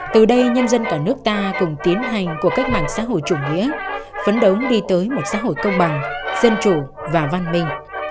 từ đây nhân dân cả nước ta cùng tiến hành cuộc cách mạng xã hội chủ nghĩa phấn đấu đi tới một xã hội công bằng dân chủ và văn minh